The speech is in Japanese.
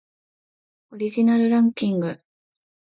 オリジナルランキング